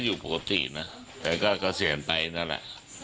อยู่ปกตินะแต่ก็เกษียณไปนั่นแหละ